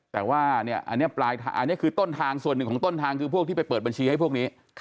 แต่ว่าอันนี้คือต้นทางส่วนหนึ่งของต้นทางคือพวกที่ไปเปิดบัญชีให้พวกนี้